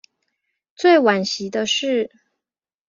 最惋惜的是